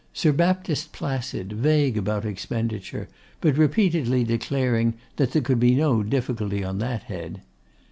Sir Baptist Placid, vague about expenditure, but repeatedly declaring that 'there could be no difficulty on that head.